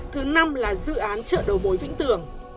thứ năm là dự án chợ đầu mối vĩnh tường